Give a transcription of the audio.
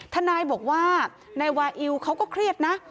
ทนายบอกว่านายวาอิวเขาก็เครียดนะ